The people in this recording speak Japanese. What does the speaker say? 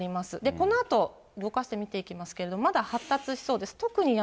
このあと、動かして見ていきますけれども、まだ発達しそうです。